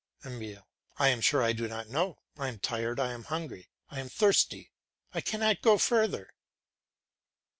EMILE. I am sure I do not know. I am tired, I am hungry, I am thirsty. I cannot go any further.